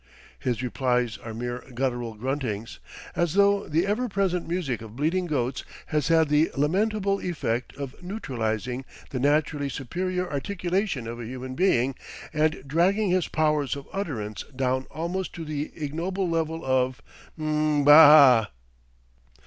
His replies are mere guttural gruntings, as though the ever present music of bleating goats has had the lamentable effect of neutralizing the naturally superior articulation of a human being and dragging his powers of utterance down almost to the ignoble level of "mb b a a."